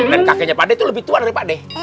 dan kakeknya pakde tuh lebih tua dari pakde